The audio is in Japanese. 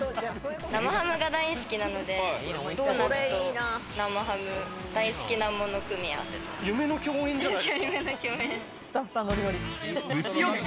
生ハムが大好きなので、ドーナツと生ハム、大好きなもの組み合わせ。